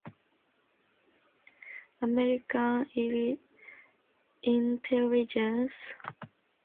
American intelligence monitoring Russian assets intercepted Giuliani communicating with them.